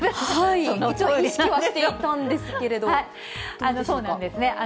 一応意識はしていたんですけそうなんですね。